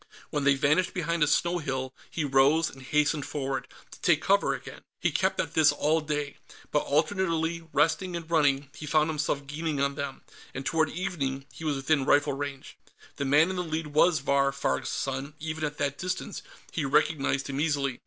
When they vanished behind a snow hill, he rose and hastened forward, to take cover again. He kept at this all day; by alternately resting and running, be found himself gaining on them, and toward evening, he was within rifle range. The man in the lead was Vahr Farg's son; even at that distance he recognized him easily.